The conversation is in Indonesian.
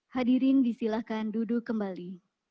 hadirin disilahkan duduk kembali